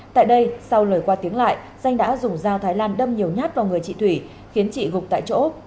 tại đây sau lời qua tiếng lại danh đã dùng dao thái lan đâm nhiều nhát vào người chị thủy khiến chị gục tại chỗ